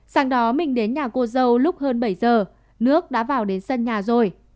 sáng đó mình đến nhà cô dâu lúc hơn bảy giờ nước đã vào đến sân nhà rồi